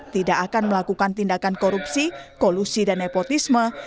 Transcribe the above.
tidak akan melakukan tindakan korupsi kolusi dan nepotisme